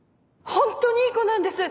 本当にいい子なんです！